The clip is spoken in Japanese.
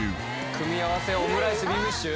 組み合わせオムライスビーフシチュー？